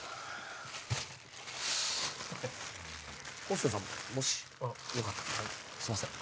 正さんももしよかったらすいません。